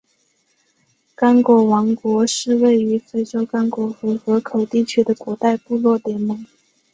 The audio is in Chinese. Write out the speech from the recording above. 刚果王国是位于非洲刚果河河口地区的古代部落联盟。